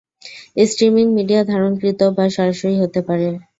Streaming media ধারণকৃত বা সরাসরি হতে পারে।